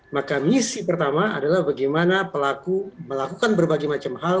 maka misi pertama adalah bagaimana pelaku melakukan berbagai macam hal